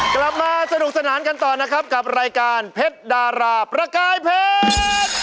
กลับมาสนุกสนานกันต่อนะครับกับรายการเพชรดาราประกายเพชร